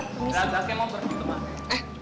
gak ada yang mau pergi ke rumah